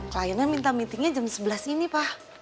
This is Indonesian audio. klayonan minta meetingnya jam sebelas ini pak